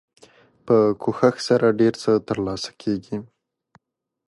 په کوښښ سره ډیر څه تر لاسه کیږي.